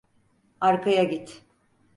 Arkaya git.